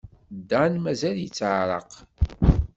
Dan mazal-it yeɛreq.